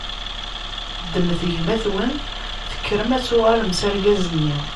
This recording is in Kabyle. Ddmet gma-twen, tekkrem ad tuɣalem s argaz-nni.